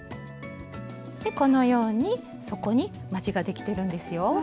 でこのように底にまちができてるんですよ。